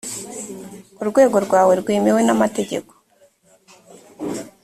urwego rwawe rwemewe n amategeko